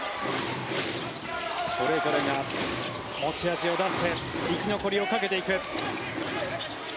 それぞれが持ち味を出して生き残りをかけていく。